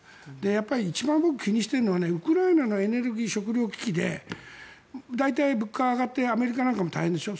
やっぱり一番、僕気にしてるのはウクライナのエネルギー、食糧危機で大体、物価が上がってアメリカなんかも大変でしょ。